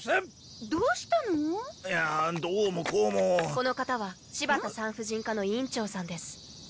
この方はしばた産婦人科の医院長さんです。